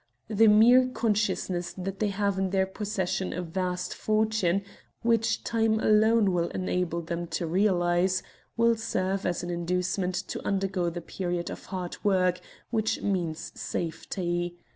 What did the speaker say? The mere consciousness that they have in their possession a vast fortune, which time alone will enable them to realize, will serve as an inducement to undergo the period of hard work which means safety.